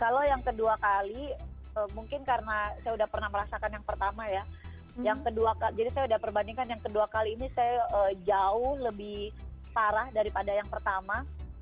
kalau yang kedua kali mungkin karena saya sudah pernah merasakan yang pertama ya yang kedua jadi saya sudah perbandingkan yang kedua kali ini saya jauh lebih parah daripada yang pertama